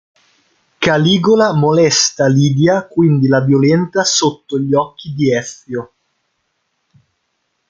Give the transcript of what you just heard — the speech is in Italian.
Caligola molesta Lidia, quindi la violenta sotto gli occhi di Ezio.